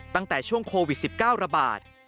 ตั้งแต่ช่วงโควิด๑๙ระบาด